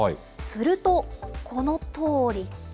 すると、このとおり。